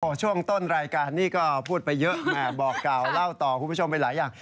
ช่วงต้นรายการนี้ก็พูดไปเยอะแหมบอกเก่าเล่าต่อคุณผู้ชมไปหลายอย่าง